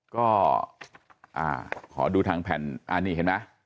ก็ขอดูทางแผ่นอันนี้เห็นไหม